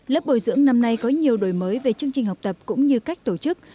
lớp bồi dưỡng năm nay có nhiều đổi mới về chương trình học tập cũng như cách tổ chức